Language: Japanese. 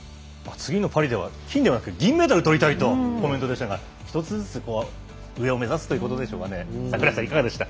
次のパリでは金メダルではなく銀メダルを取りたいということでしたが１つずつ上を目指すということですかね。